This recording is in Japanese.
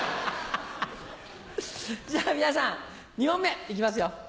じゃあ皆さん２問目いきますよ。